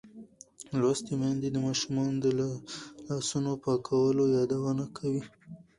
لوستې میندې د ماشومانو د لاسونو پاکولو یادونه کوي.